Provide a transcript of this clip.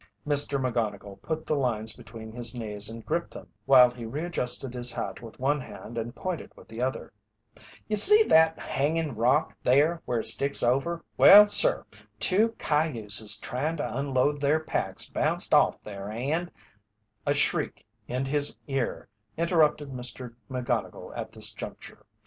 Mr. McGonnigle put the lines between his knees and gripped them while he readjusted his hat with one hand and pointed with the other: "You see that hangin' rock? There where it sticks over? Well, sir, two cayuses tryin' to unload their packs bounced off there and " A shriek in his ear interrupted McGonnigle at this juncture.